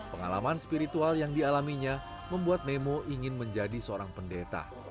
pengalaman spiritual yang dialaminya membuat nemo ingin menjadi seorang pendeta